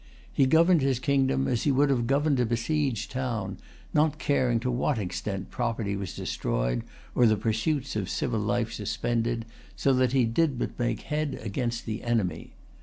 He governed his kingdom as he would have governed a besieged town, not caring to what extent property was destroyed, or the pursuits of civil life suspended, so that he did but make head against the enemy.